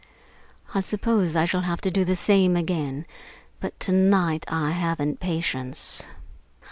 I suppose I shall have to do the same again, but to night I haven't patience.